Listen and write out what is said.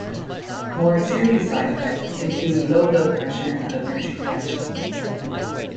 More serious side effects include low blood pressure and allergic reaction.